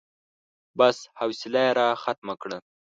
بس، حوصله يې راختمه کړه.